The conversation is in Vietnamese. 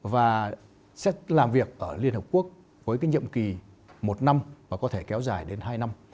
và sẽ làm việc ở liên hợp quốc với cái nhiệm kỳ một năm và có thể kéo dài đến hai năm